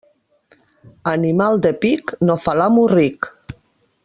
Animal de pic no fa l'amo ric.